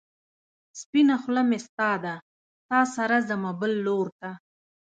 سپينه خلۀ مې ستا ده، تا سره ځمه بل لور ته